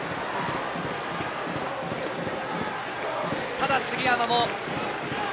ただ、杉山も。